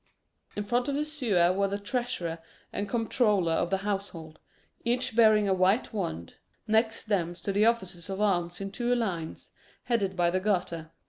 In front of the sewer were the treasurer and comptroller of the household, each bearing a white wand; next them stood the officers of arms in two lines, headed by the Garter.